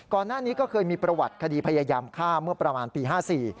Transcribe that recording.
ก่อนหน้านี้ก็เคยมีประวัติคดีพยายามฆ่าเมื่อประมาณปีห้าสี่